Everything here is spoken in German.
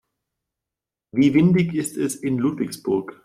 Wie windig ist es in Ludwigsburg?